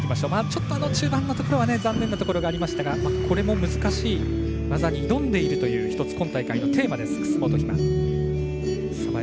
ちょっと、中盤のところ残念なところありましたがこれも難しい技に挑んでいるという１つ、今大会のテーマです楠元妃真。